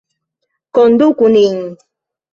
Konduku nin!